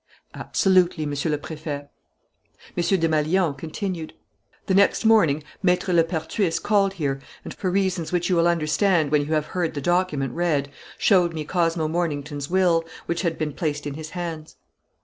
"Absolutely, Monsieur le Préfet." M. Desmalions continued: "The next morning, Maître Lepertuis called here and, for reasons which you will understand when you have heard the document read, showed me Cosmo Mornington's will, which had been placed in his hands."